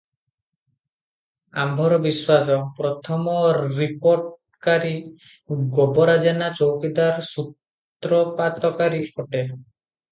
ଆମ୍ଭର ବିଶ୍ୱାସ, ପ୍ରଥମ ରିପୋର୍ଟକାରୀ ଗୋବରା ଜେନା ଚୌକିଦାର ସୂତ୍ରପାତକାରୀ ଅଟେ ।